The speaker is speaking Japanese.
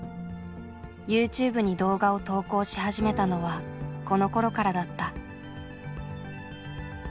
ユーチューブに動画を投稿し始めたのはこのころからだった。